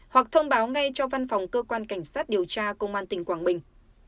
hoặc thông báo ngay cho văn phòng cơ quan cảnh sát điều tra công an tỉnh quảng bình